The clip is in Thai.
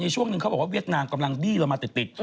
ช่วงหนึ่งเค้าบอกว่าเวียดนามกำลังดีรมาติดติด